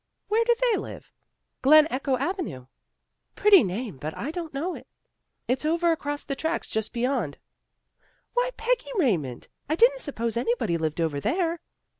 " Where do they live? "" Glen Echo Avenue." " Pretty name, but I don't know it." " It's over across the tracks, just beyond." "Why, Peggy Raymond, I didn't suppose anybody lived over there."